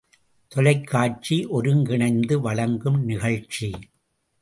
தொலைக்காட்சி ஒருங்கிணைந்து வழங்கும் நிகழ்ச்சி.